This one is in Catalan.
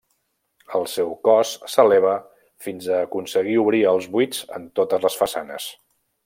El seu cos s'eleva fins a aconseguir obrir els buits en totes les façanes.